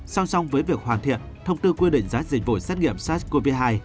song song với việc hoàn thiện thông tư quy định giá dịch vụ xét nghiệm sars cov hai